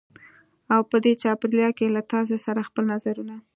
او په دې چاپېریال کې له تاسې سره خپل نظرونه